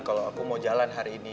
kalau aku mau jalan hari ini